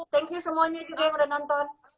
thank you semuanya juga yang udah nonton